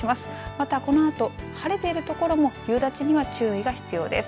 またこのあと、晴れているところも夕立には注意が必要です。